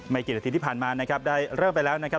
กี่นาทีที่ผ่านมานะครับได้เริ่มไปแล้วนะครับ